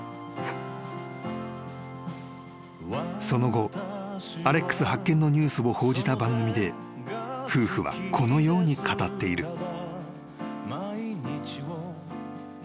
［その後アレックス発見のニュースを報じた番組で夫婦はこのように語っている］